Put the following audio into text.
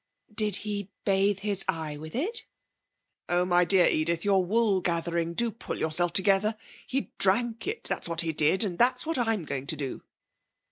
'Did he bathe his eye with it?' 'Oh, my dear Edith, you're wool gathering. Do pull yourself together. He drank it, that's what he did, and that's what I'm going to do.